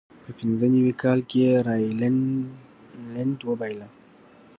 په پینځه نوي کال کې یې راینلنډ وبایله.